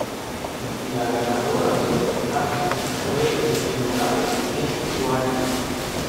La ganadora del certamen fue Irene Morales, Miss Guárico.